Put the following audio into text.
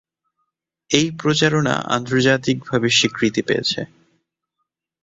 এই প্রচারণা আন্তর্জাতিক ভাবে স্বীকৃতি পেয়েছে।